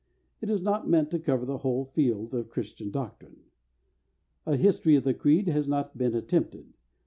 It is not meant to cover the whole field of Christian doctrine. A history of the Creed has not been attempted.